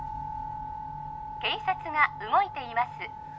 警察が動いています